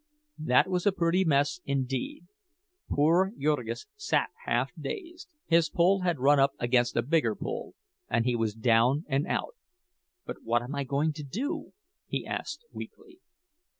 That was a pretty mess, indeed. Poor Jurgis sat half dazed. His pull had run up against a bigger pull, and he was down and out! "But what am I going to do?" he asked, weakly.